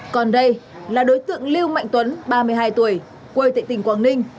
còn đây là đối tượng lưu mạnh tuấn ba mươi hai tuổi quê tệ tỉnh quảng ninh